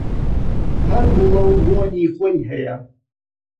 هەر گۆڵەو بۆنی خۆی هەیە!